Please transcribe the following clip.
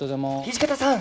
土方さん！